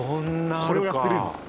これをやっているんですか？